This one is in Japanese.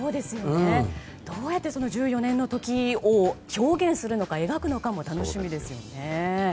どうやって１４年の時を表現するのか描くのかも楽しみですよね。